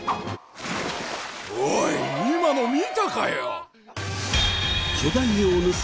おい今の見たかよ？